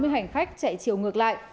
bốn mươi hành khách chạy chiều ngược lại